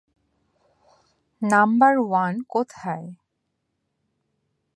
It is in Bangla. নাম্বার ওয়ান কোথায়?